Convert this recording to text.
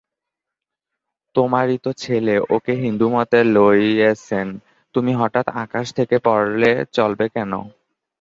তোমারই তো ছেলে ওঁকে হিন্দুমতে লইয়েছেন, তুমি হঠাৎ আকাশ থেকে পড়লে চলবে কেন?